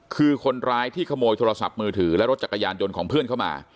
คือคนร้ายที่ขโมยโทรศัพท์มือถือและรถจักรยานยนต์ของเพื่อนเข้ามา